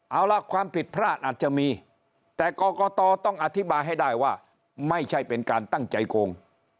เอาล่ะความผิดพลาดอาจจะมีแต่กรกตต้องอธิบายให้ได้ว่าไม่ใช่เป็นการตั้งใจโกง